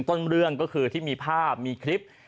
ต้นเรื่องก็คือที่มีภาพมีคลิป